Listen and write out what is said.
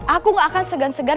aku gak akan segan segan